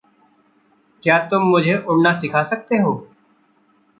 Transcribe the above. क्या तुम मुझे उड़ना सिखा सकते हो?